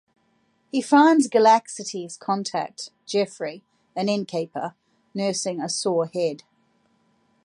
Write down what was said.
He finds Galaxity's contact, Geoffrey, an innkeeper, nursing a sore head.